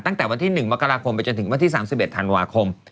ตั้งแต่วันที่๑มกราคมไปจนถึงวันที่๓๑ธันวาคม